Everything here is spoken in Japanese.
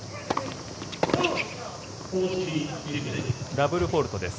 ダブルフォールトです。